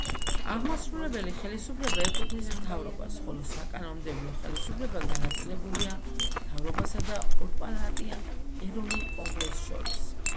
აღმასრულებელი ხელისუფლება ეკუთვნის მთავრობას, ხოლო საკანონმდებლო ხელისუფლება განაწილებულია მთავრობასა და ორპალატიან ეროვნულ კონგრესს შორის.